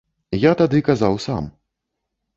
Я тады казаў сам.